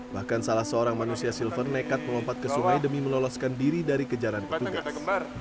bahkan salah seorang manusia silver nekat melompat ke sungai demi meloloskan diri dari kejaran petugas